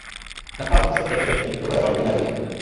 Nachází se zde především bytové a rodinné domy.